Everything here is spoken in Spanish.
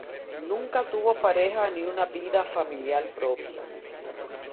Nunca tuvo pareja ni una vida familiar propia.